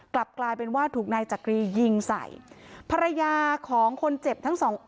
กลับกลายเป็นว่าถูกนายจักรียิงใส่ภรรยาของคนเจ็บทั้งสองคน